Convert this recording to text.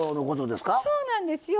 そうなんですよ。